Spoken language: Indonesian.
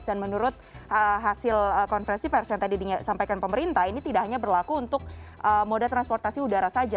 dan menurut hasil konferensi yang tadi disampaikan pemerintah ini tidak hanya berlaku untuk moda transportasi udara saja